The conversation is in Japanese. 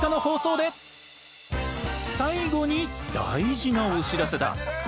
最後に大事なお知らせだ。